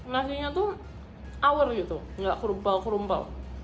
nasinya tuh awar gitu nggak kerumpel kerumpel